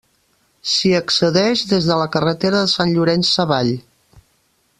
S'hi accedeix des de la carretera de Sant Llorenç Savall.